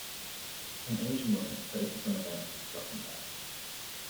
An Asian woman poses on a bench with shopping bags.